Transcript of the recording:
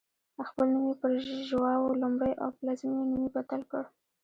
خپل نوم یې پر ژواو لومړی او پلازمېنې نوم یې بدل کړ.